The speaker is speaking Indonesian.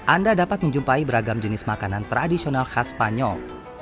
anda dapat menjumpai beragam jenis makanan tradisional khas spanyol